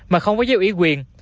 mà không có giữ ý quyền